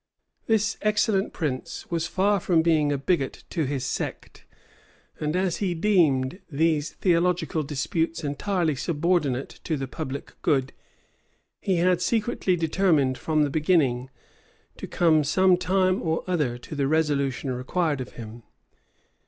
This excellent prince was far from being a bigot to his sect; and as he deemed these theological disputes entirely subordinate to the public good, he had secretly determined, from the beginning, to come some time or other to the resolution required of him.